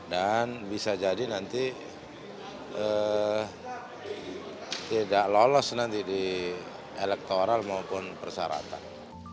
dan bisa jadi nanti tidak lolos nanti di elektoral maupun persyaratan